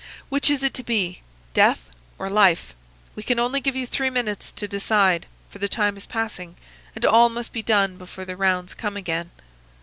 Which is it to be, death or life? We can only give you three minutes to decide, for the time is passing, and all must be done before the rounds come again.